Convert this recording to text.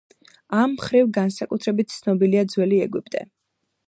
ამ მხრივ განსაკუთრებით ცნობილია ძველი ეგვიპტე.